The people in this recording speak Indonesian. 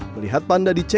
melihat panda di ciptaan